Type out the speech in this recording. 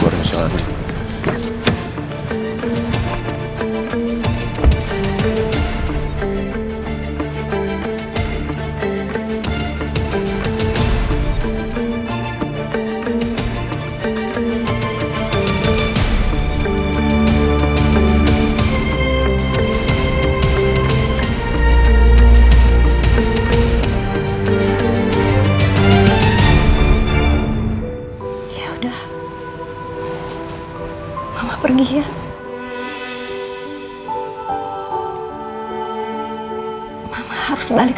dulu aku memang bodoh